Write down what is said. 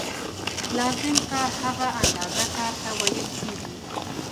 لازم کار هغه اندازه کار ته ویل کېږي